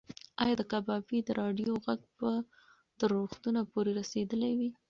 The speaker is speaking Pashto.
ایا د کبابي د راډیو غږ به تر روغتونه پورې رسېدلی وي؟